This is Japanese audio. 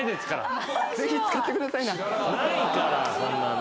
ないからそんなの。